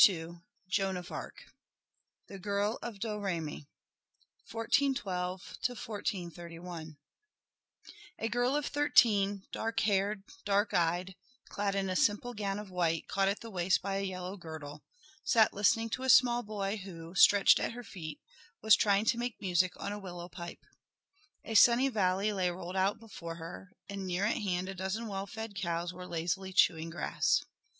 II Joan of Arc The Girl of Domremy: 1412 1431 A girl of thirteen, dark haired, dark eyed, clad in a simple gown of white caught at the waist by a yellow girdle, sat listening to a small boy who, stretched at her feet, was trying to make music on a willow pipe. A sunny valley lay rolled out before her, and near at hand a dozen well fed cows were lazily chewing grass.